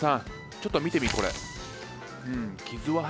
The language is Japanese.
ちょっと見てみこれ。